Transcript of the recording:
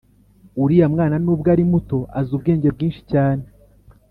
Uriya mwana nubwo ari muto azi ubwenge bwinshi cyane